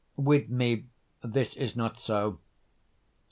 With me this is not so.